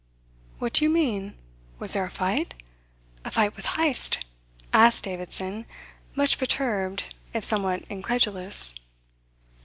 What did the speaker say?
"What do you mean? Was there a fight! a fight with Heyst?" asked Davidson, much perturbed, if somewhat incredulous.